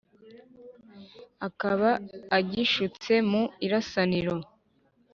akaba agishutse mu irasaniro